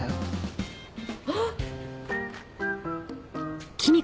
あっ。